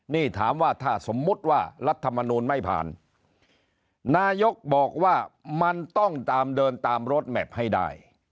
นี่ถามว่าถ้าสมมุติว่ารัฐมนูลไม่ผ่านนายกบอกว่ามันต้องตามเดินตามรถแมพให้ได้